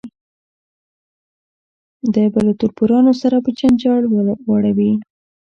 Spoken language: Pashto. دی به له تربورانو سره په جنجال واړوي.